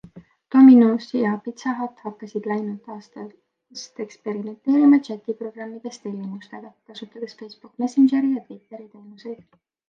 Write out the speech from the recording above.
Domino's ja Pizza Hut hakkasid läinud aastast eksperimenteerima chatiprogrammides tellimustega, kasutades Facebook Messangeri ja Twiteri teenuseid.